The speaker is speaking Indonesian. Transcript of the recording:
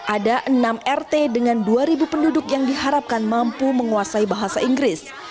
ada enam rt dengan dua penduduk yang diharapkan mampu menguasai bahasa inggris